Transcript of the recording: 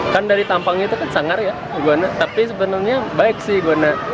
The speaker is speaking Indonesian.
kan dari tampang itu kan sangar ya iguana tapi sebenarnya baik sih iguana